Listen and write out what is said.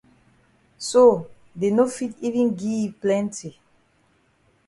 So dey no fit even gi yi plenti.